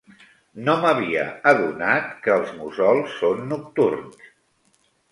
No m'havia adonat que els mussols són nocturns.